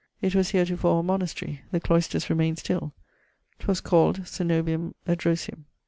It was heretofore a monastery (the cloysters remayne still); 'twas called coenobium Edrosium.